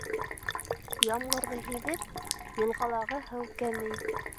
Ямғырҙы «һиҙеп» йылғалағы һыу кәмей.